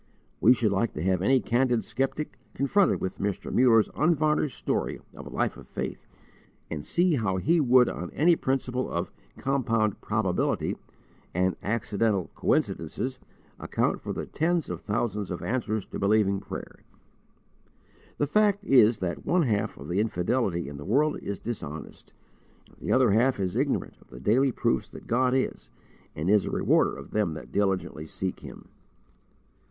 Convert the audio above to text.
We should like to have any candid skeptic confronted with Mr. Muller's unvarnished story of a life of faith, and see how he would on any principle of' compound probability' and 'accidental coincidences,' account for the tens of thousand's of answers to believing prayer! The fact is that one half of the infidelity in the world is dishonest, and the other half is ignorant of the daily proofs that God is, and is a Rewarder of them that diligently seek Him.